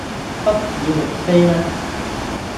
不以爲非呢？